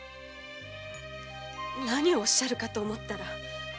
何をおっしゃるかと思ったら。